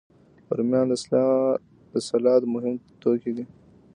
رومیان د سلاد مهم توکي دي